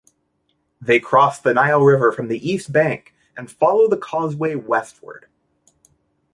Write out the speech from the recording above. They cross the Nile River from the east bank and follow the causeway westward.